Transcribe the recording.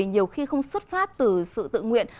nhiều khi không xuất phát từ sự tự nguyện